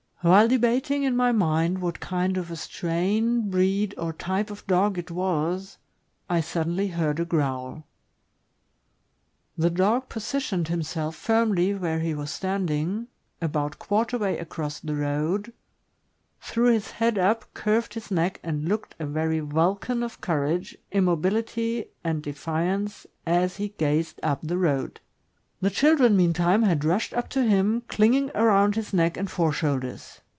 While debating in my mind what kind of a strain, breed, or type of dog it was, I suddenly heard a growl; the dog " positioned" himself firmly where he was standing, about quarter way across the road , threw his head up, curved his neck, and looked a very Vulcan of courage, immobility, and defiance as he gazed up the road. The children, meantime, had rushed up to him, clinging around his neck and fore shoulders.